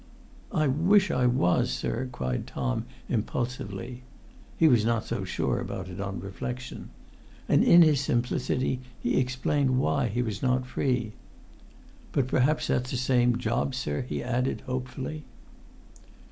"I wish I was, sir!" cried Tom, impulsively (he was not so sure about it on reflection); and in his simplicity he explained why he was not free. "But perhaps that's the same job, sir?" he added, hopefully.